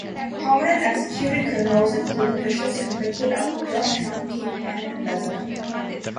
Prominent executed criminals include officials convicted of drug trafficking and embezzlement.